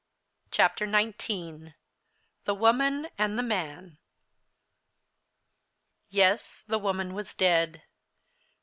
CHAPTER XIX THE WOMAN AND THE MAN Yes the woman was dead.